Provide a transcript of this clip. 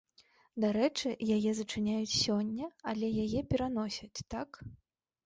Дарэчы, яе зачыняюць сёння, але яе пераносяць, так?